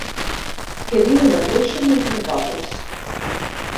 Que viuen o creixen entre roques.